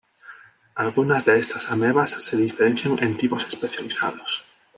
Algunas de estas amebas, se diferencian en tipos especializados.